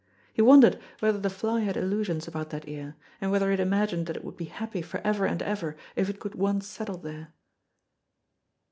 He wondered whether the fly had illusions about that ear, and whether it imagined that it would be happy for ever and ever, if it could once settle there.